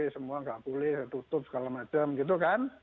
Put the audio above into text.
semua nggak boleh tutup segala macam gitu kan